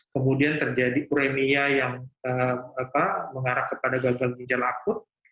kemudian terjadi premia yang mengarah kepada gagal ginjal akut